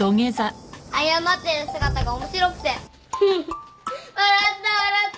謝ってる姿が面白くてハハッ笑った笑った。